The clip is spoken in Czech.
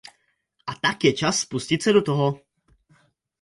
A tak je čas pustit se do toho!